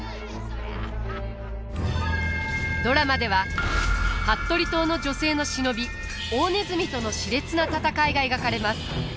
ドラマでは服部党の女性の忍び大鼠とのしれつな戦いが描かれます。